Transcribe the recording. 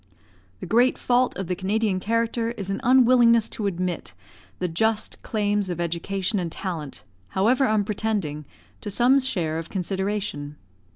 The great fault of the Canadian character is an unwillingness to admit the just claims of education and talent, however unpretending, to some share of consideration.